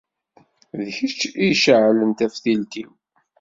D kečč i iceɛlen taftilt-iw.